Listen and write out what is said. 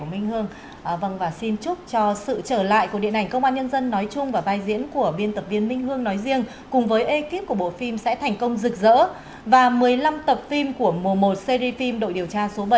mùa một series phim đội điều tra số bảy